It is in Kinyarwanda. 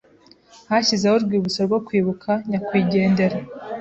Hashyizweho urwibutso rwo kwibuka nyakwigendera.